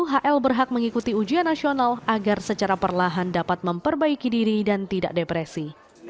hl berhak mengikuti ujian nasional agar secara perlahan dapat memperbaiki diri dan tidak depresi